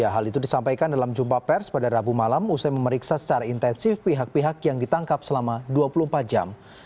hal itu disampaikan dalam jumpa pers pada rabu malam usai memeriksa secara intensif pihak pihak yang ditangkap selama dua puluh empat jam